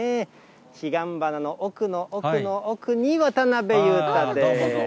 彼岸花の奥の奥の奥に渡辺裕太です。